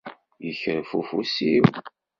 Ikref ufus-iw.